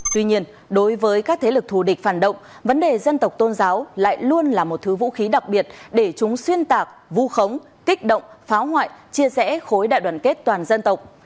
tuy nhiên đối với các thế lực thù địch phản động vấn đề dân tộc tôn giáo lại luôn là một thứ vũ khí đặc biệt để chúng xuyên tạc vu khống kích động phá hoại chia rẽ khối đại đoàn kết toàn dân tộc